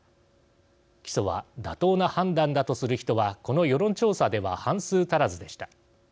起訴は妥当な判断だとする人はこの世論調査では半数足らずでした。